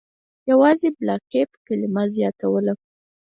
یوازې «بلاکیف» کلمه زیاتوله.